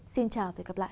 xin chào và hẹn gặp lại